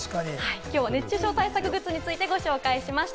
きょうは熱中症対策グッズについてご紹介しました。